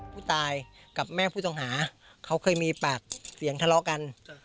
ผู้ตายกับแม่ผู้ต้องหาเขาเคยมีปากเสียงทะเลาะกัน